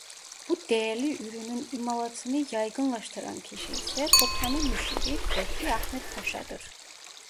Bu değerli ürünün imalatını yaygınlaştıran kişi ise Tophane Müşiri Fethi Ahmet Paşa'dır.